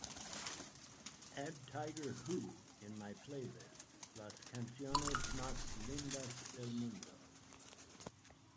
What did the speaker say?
add tiger hu in my playlist Las Canciones Más Lindas Del Mundo